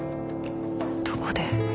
どこで。